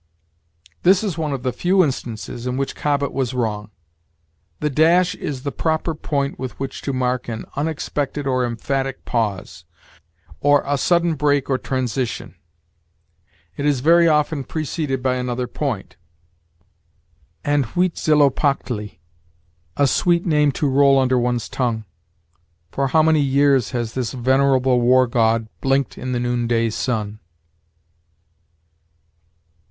This is one of the few instances in which Cobbett was wrong. The dash is the proper point with which to mark an unexpected or emphatic pause, or a sudden break or transition. It is very often preceded by another point. "And Huitzilopochtli a sweet name to roll under one's tongue for how many years has this venerable war god blinked in the noonday sun!"